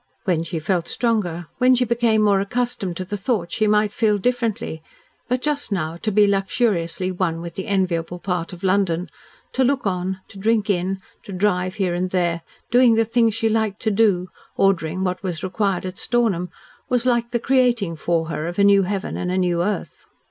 When she felt stronger, when she became more accustomed to the thought, she might feel differently, but just now, to be luxuriously one with the enviable part of London, to look on, to drink in, to drive here and there, doing the things she liked to do, ordering what was required at Stornham, was like the creating for her of a new heaven and a new earth.